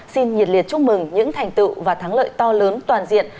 xin nhiệt liệt chúc mừng những thành tựu và thắng lợi to lớn toàn diện